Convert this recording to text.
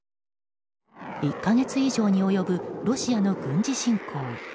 １か月以上に及ぶロシアの軍事侵攻。